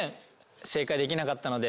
正解できなかったので。